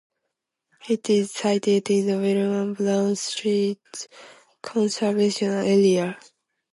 It is sited in the William Brown Street Conservation Area.